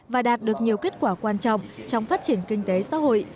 và đạt được nhiều kết quả quan trọng trong phát triển kinh tế xã hội